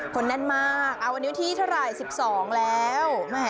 คนแน่นมากวันยุทธิเท่าไหร่๑๒แล้ว